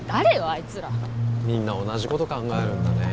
あいつらみんな同じこと考えるんだね